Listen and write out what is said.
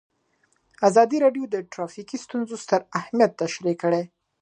ازادي راډیو د ټرافیکي ستونزې ستر اهميت تشریح کړی.